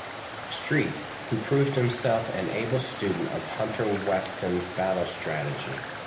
Street, who proved himself an able student of Hunter-Weston's battle strategy.